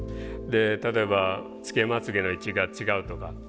例えばつけまつげの位置が違うとか。